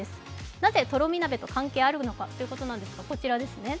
なぜ、とろみ鍋と関係あるのかというとこちらですね。